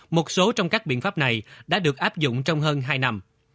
một số trong các biện pháp này đã được áp dụng trong hơn hai năm